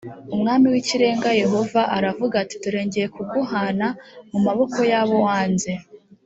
umwami w ‘ikirenga yehova aravuga ati dore ngiye kuguhana mu maboko yabo wanze.